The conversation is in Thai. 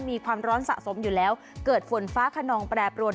มีความร้อนสะสมอยู่แล้วเกิดฝนฟ้าขนองแปรปรวน